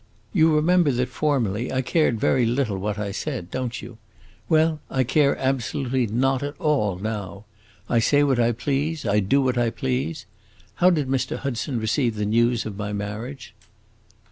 You remember that formerly I cared very little what I said, don't you? Well, I care absolutely not at all now. I say what I please, I do what I please! How did Mr. Hudson receive the news of my marriage?"